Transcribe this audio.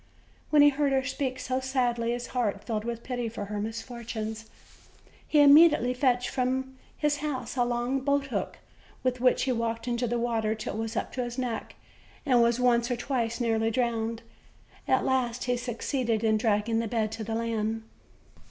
When he heard her speak so sadly his heart filled with pity for her misfortunes. He immediately fetched from iiis house a long boathook, with which he walked into the water till it was up to his neck, and was once or twice nearly drowned. At last he succeeded in dragging the bed to the land.